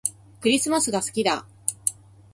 クリスマスが好きだ